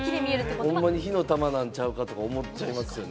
火の玉なんちゃうかと思っちゃいますね。